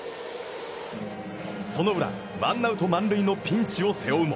その裏、ワンアウト満塁のピンチを背負うも